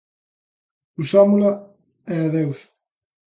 Usámola e adeus.